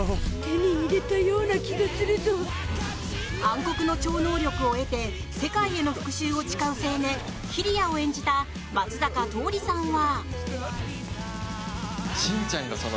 暗黒の超能力を得て世界への復讐を誓う青年非理谷を演じた松坂桃李さんは。